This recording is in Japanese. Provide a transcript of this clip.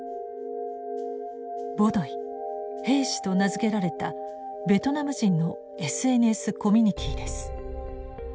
“ボドイ”兵士と名付けられたベトナム人のＳＮＳコミュニティーです。